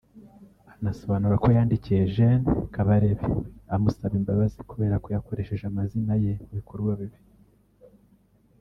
anasobanura ko yandikiye Gen Kabarebe amusaba imbabazi kubera ko yakoresheje amazina ye mu bikorwa bibi